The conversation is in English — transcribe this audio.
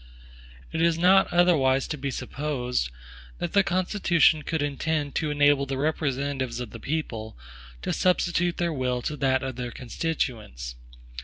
It is not otherwise to be supposed, that the Constitution could intend to enable the representatives of the people to substitute their will to that of their constituents.